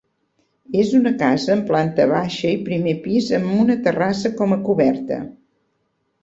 És una casa amb planta baixa i primer pis amb una terrassa com a coberta.